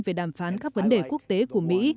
về đàm phán các vấn đề quốc tế của mỹ